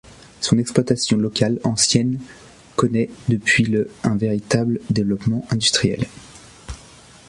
Son exploitation locale, ancienne, connaît depuis le un véritable développement industriel.